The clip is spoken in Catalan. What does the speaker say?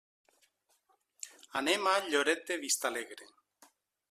Anem a Lloret de Vistalegre.